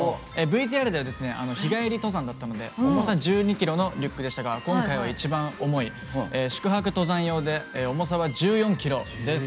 ＶＴＲでは日帰り登山だったので重さ１２ｋｇのリュックでしたが今回は一番重い宿泊登山用で重さは１４ｋｇです。